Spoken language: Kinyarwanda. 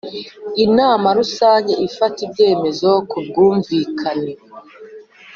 Inama Rusange ifata ibyemezo ku bwumvikane